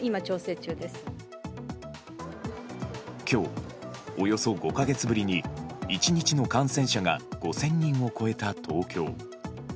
今日、およそ５か月ぶりに１日の感染者が５０００人を超えた東京。